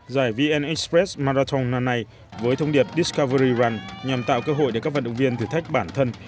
giải vn express marathon năm nay với thông điệp diskavery one nhằm tạo cơ hội để các vận động viên thử thách bản thân